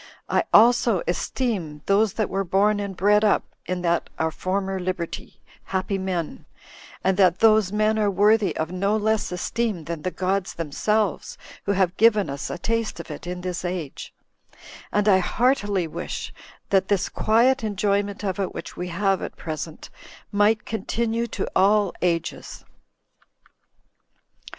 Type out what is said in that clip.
I also esteem those that were born and bred up in that our former liberty happy men, and that those men are worthy of no less esteem than the gods themselves who have given us a taste of it in this age; and I heartily wish that this quiet enjoyment of it, which we have at present, might continue to all ages.